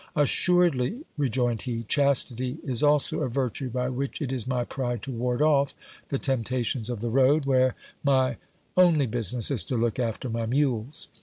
Assuredly, rejoined he, chastity is also a virtue by which it is my pride to ward off" the temptations of the road, wh;re my only business is to look after my mules.